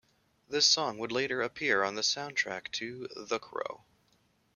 The song would later appear on the soundtrack to "The Crow".